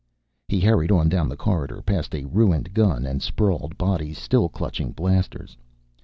He hurried on down the corridor, past a ruined gun and sprawled bodies still clutching blasters.